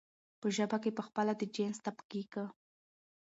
په ژبه کې پخپله د جنس تفکيک